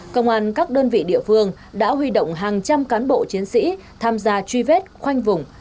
công an các đơn vị địa phương đã huy động hàng trăm cán bộ chiến sĩ tham gia truy vết khoanh vùng